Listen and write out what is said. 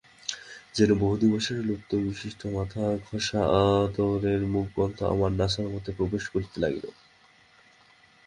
যেন বহুদিবসের লুপ্তাবশিষ্ট মাথাঘষা ও আতরের মৃদু গন্ধ আমার নাসার মধ্যে প্রবেশ করিতে লাগিল।